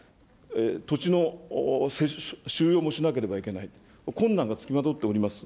土地の収用もしなければいけない、困難が付きまとっております。